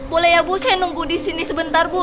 boleh ya bu saya nunggu di sini sebentar bu